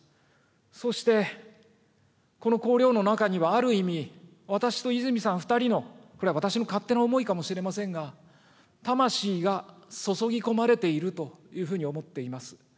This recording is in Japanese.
そして、この綱領の中には、ある意味、私と泉さん２人の、これは私の勝手な思いかもしれませんが、魂が注ぎ込まれているというふうに思っています。